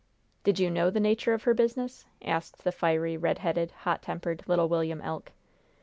"Did you know the nature of her business?" asked the fiery, red headed, hot tempered, little William Elk.